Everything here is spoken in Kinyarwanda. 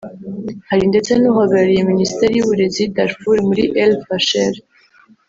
hari ndetse n’uhagarariye Minisiteri y’Uburezi y’i Darfur muri El–Fasher